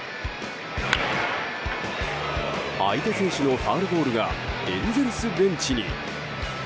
相手選手のファウルボールがエンゼルスベンチに。